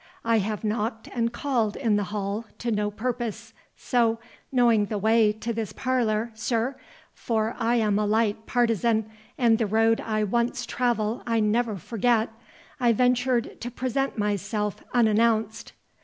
I have knocked and called in the hall to no purpose; so, knowing the way to this parlour, sir,—for I am a light partisan, and the road I once travel I never forget,—I ventured to present myself unannounced."